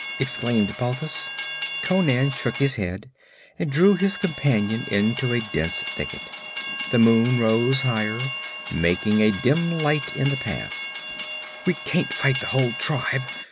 exclaimed Balthus. Conan shook his head and drew his companion into a dense thicket. The moon rose higher, making a dim light in the path. 'We can't fight the whole tribe!'